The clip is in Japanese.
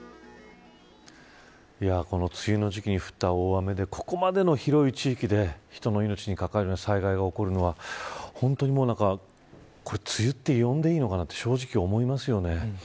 この梅雨の時期に降った大雨でここまでの広い地域で人の命に関わる災害が起こるのは梅雨と呼んでいいのかって正直思いますよね。